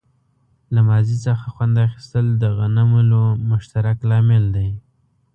له ماضي څخه خوند اخیستل د غنملو مشترک لامل دی.